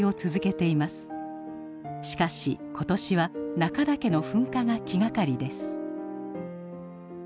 しかし今年は中岳の噴火が気がかりです。